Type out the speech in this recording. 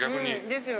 ですよね。